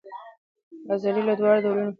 عضلې له دواړو ډولو فایبرونو جوړې دي.